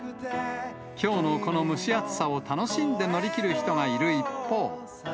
きょうのこの蒸し暑さを楽しんで乗り切る人がいる一方。